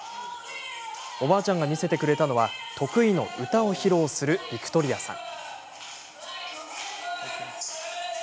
おばあちゃんが見せてくれたのは得意の歌を披露するビクトリアさん。